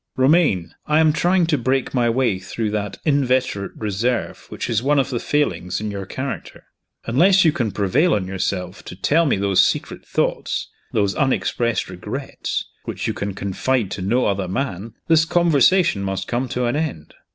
"Romayne, I am trying to break my way through that inveterate reserve which is one of the failings in your character. Unless you can prevail on yourself to tell me those secret thoughts, those unexpressed regrets, which you can confide to no other man, this conversation must come to an end.